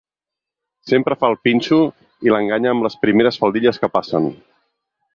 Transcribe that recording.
Sempre fa el pinxo i l'enganya amb les primeres faldilles que passen.